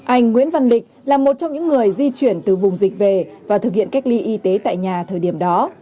anh nguyễn văn lịch là một trong những người di chuyển từ vùng dịch về và thực hiện cách ly y tế tại nhà thời điểm đó